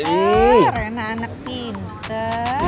pinter rena anak pinter